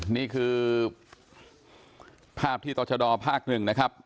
นี่คือภาพที่ต่อชะดอบภาค๑นะครับ